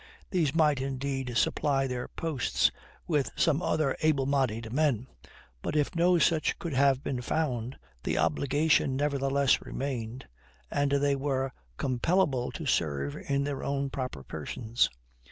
These might, indeed, supply their posts with some other able bodied men; but if no such could have been found, the obligation nevertheless remained, and they were compellable to serve in their own proper persons.